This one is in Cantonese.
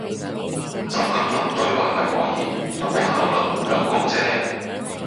就咁諗對話係可以，不過效率唔夠高啫